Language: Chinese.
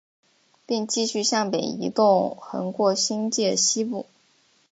并继续向北移动横过新界西部。